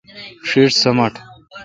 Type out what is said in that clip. ݭیݭ سمٹ۔